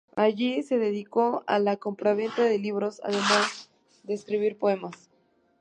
Allí se dedicó a la compraventa de libros, además de escribir poemas.